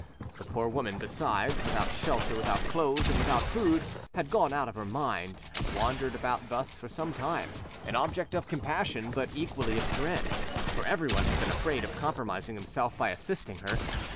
The poor woman, besides, without shelter, without clothes, and without food, had gone out of her mind, had wandered about thus for some time, an object of compassion but equally of dread; for everyone had been afraid of compromising himself by assisting her.